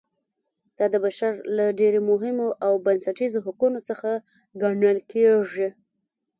دا د بشر له ډېرو مهمو او بنسټیزو حقونو څخه ګڼل کیږي.